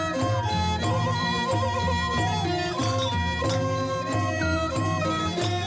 จริง